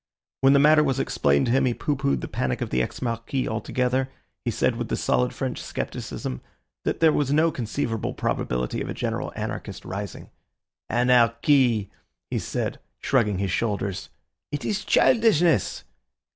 When the matter was explained to him he pooh poohed the panic of the ex Marquis altogether; he said, with the solid French scepticism, that there was no conceivable probability of a general anarchist rising. "Anarchy," he said, shrugging his shoulders, "it is childishness!"